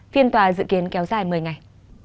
phiên tòa dự kiến kéo dài một mươi ngày